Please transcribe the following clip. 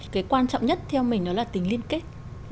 cái quan trọng nhất theo mình đó là tính liên kết